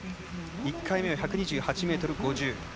１回目は１２８ｍ５０。